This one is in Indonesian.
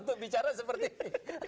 untuk bicara seperti ini